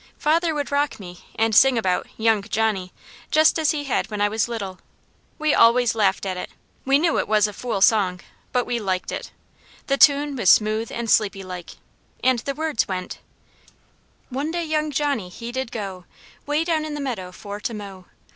Father would rock me and sing about "Young Johnny," just as he had when I was little. We always laughed at it, we knew it was a fool song, but we liked it. The tune was smooth and sleepy like and the words went: "One day young Johnny, he did go, Way down in the meadow for to mow.